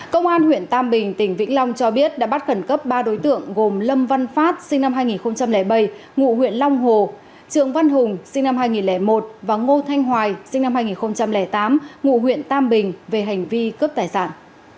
công an huyện tam bình tỉnh vĩnh long cho biết đã bắt khẩn cấp ba đối tượng gồm lâm văn phát sinh năm hai nghìn bảy ngụ huyện long hồ trường văn hùng sinh năm hai nghìn một và ngô thanh hoài sinh năm hai nghìn tám ngụ huyện tam bình về hành vi cướp tài sản